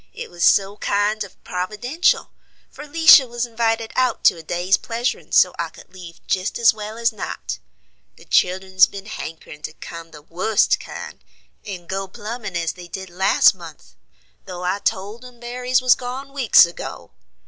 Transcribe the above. It was so kind of providential, for 'Lisha was invited out to a day's pleasuring so I could leave jest as wal as not. The childern's ben hankerin' to come the wust kind, and go plummin' as they did last month, though I told 'em berries was gone weeks ago.